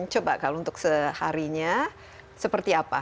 coba kalau untuk seharinya seperti apa